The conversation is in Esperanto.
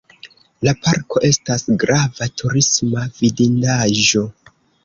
La parko estas grava turisma vidindaĵo.